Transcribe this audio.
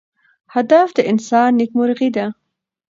هدف د انسان نیکمرغي ده.